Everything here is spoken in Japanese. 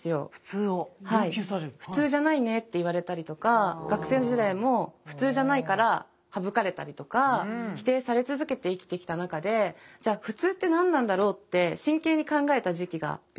「普通じゃないね」って言われたりとか学生時代も普通じゃないからハブかれたりとか否定され続けて生きてきたなかでじゃあ普通って何なんだろうって真剣に考えた時期がずっとあったんですね